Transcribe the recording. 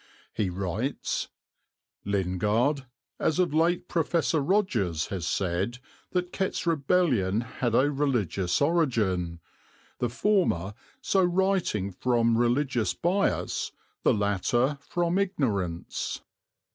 He writes: "Lingard, as of late Professor Rogers, has said that Kett's Rebellion had a religious origin; the former so writing from religious bias, the latter from ignorance."